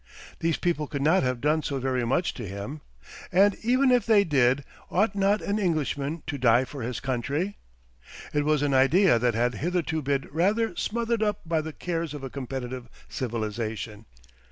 These people could not have done so very much to him. And even if they did, ought not an Englishman to die for his country? It was an idea that had hitherto been rather smothered up by the cares of a competitive civilisation.